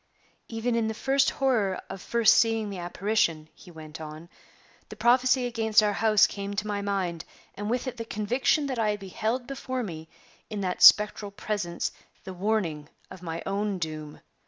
"Even in the first horror of first seeing the apparition," he went on, "the prophecy against our house came to my mind, and with it the conviction that I beheld before me, in that spectral presence, the warning of my own doom.